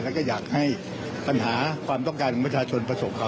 แล้วก็อยากให้ปัญหาความต้องการของประชาชนประสบความ